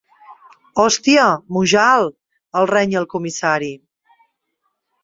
Hòstia, Mujal —el renya el comissari—.